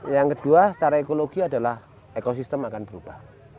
yang kedua secara ekologi adalah ekosistem akan berubah